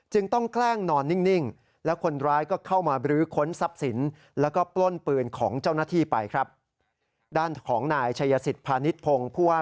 จึงต้องแคล้งนอนนิ่ง